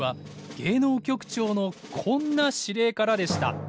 芸能局長のこんな指令からでした。